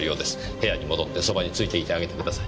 部屋に戻ってそばについていてあげてください。